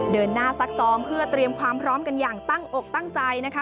เดินหน้าซักซ้อมเพื่อเตรียมความพร้อมกันอย่างตั้งอกตั้งใจนะคะ